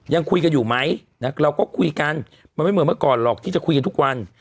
ยังคุยกันอยู่ไหมเราก็คุยกันมันไม่เหมือนเมื่อก่อนหรอกที่จะคุยกันทุกวัน